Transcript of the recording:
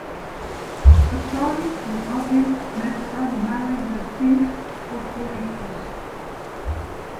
According to Ovid, Mestra married the thief Autolycus.